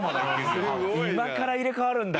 今から入れ替わるんだ。